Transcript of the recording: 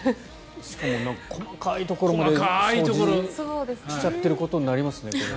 しかも、なんか細かいところまで掃除しちゃってることになりますね。